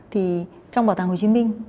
thì trong bảo tàng hồ chí minh